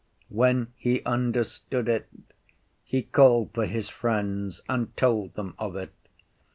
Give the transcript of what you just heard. When he understood it, he called for his friends, and told them of it.